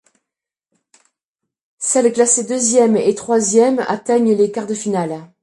Celles classées deuxièmes et troisiècmes atteignent les quarts de finale.